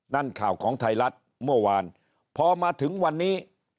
นักข่าวของไทยรัฐเมื่อวานพอมาถึงวันนี้